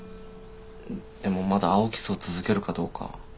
でもまだ青木荘続けるかどうか。